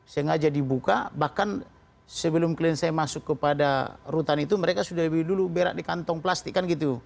sengaja dibuka bahkan sebelum klien saya masuk ke rutan itu mereka sudah berat di kantong plastik kan gitu